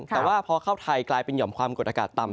แต่ว่าพอเข้าไทยกลายเป็นหอมความกดอากาศต่ำ